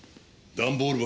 段ボール箱？